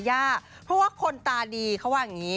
ยากเพราะว่าคนตาดีเขาว่าอย่างนี้